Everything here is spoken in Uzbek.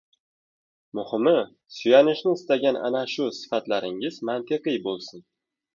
Muhimi, suyanishni istagan ana shu sifatlaringiz mantiqiy bo‘lsin